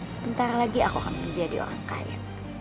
sebentar lagi aku akan menjadi orang kaya